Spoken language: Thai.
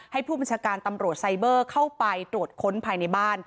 ผู้บัญชาการตำรวจไซเบอร์เข้าไปตรวจค้นภายในบ้าน